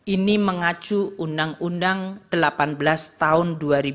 ini mengacu undang undang delapan belas tahun dua ribu dua